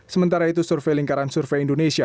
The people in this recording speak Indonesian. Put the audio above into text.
sementara itu survei lingkaran survei indonesia